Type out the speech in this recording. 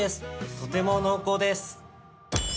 とても濃厚です。